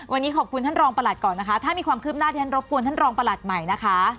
วันนี้ขอบคุณท่านรองประหลัดก่อนนะคะถ้ามีความคืบหน้าที่ฉันรบกวนท่านรองประหลัดใหม่นะคะ